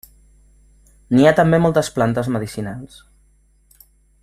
N'hi ha també moltes plantes medicinals.